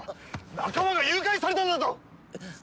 仲間が誘拐されたんだぞ！